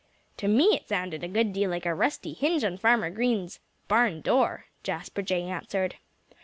"To me it sounded a good deal like a rusty hinge on Farmer Green's barn door," Jasper Jay answered.